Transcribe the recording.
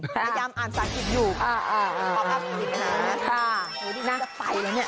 พยายามอ่านสาธิตอยู่ขอบคุณนะ